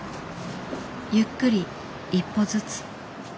ゆっくり一歩ずつ。